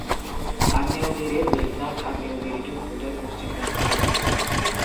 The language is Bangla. আগ্নেয়গিরির রেগনাল্ট আগ্নেয়গিরিটি ভোল্টার পশ্চিম প্রান্তে অবস্থিত।